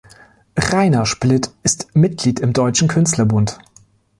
Rainer Splitt ist Mitglied im Deutschen Künstlerbund.